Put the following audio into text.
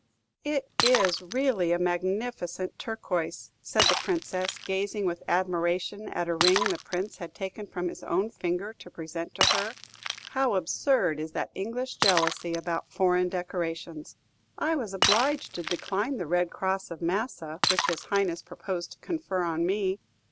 "It is really a magnificent turquoise," said the Princess, gazing with admiration at a ring the Prince had taken from his own finger to present to her. "How absurd is that English jealousy about foreign decorations! I was obliged to decline the Red Cross of Massa which his Highness proposed to confer on me.